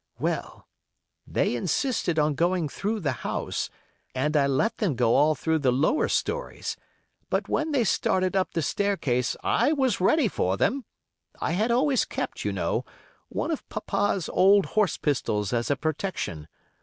Well, they insisted on going through the house, and I let them go all through the lower stories; but when they started up the staircase I was ready for them. I had always kept, you know, one of papa's old horse pistols as a protection.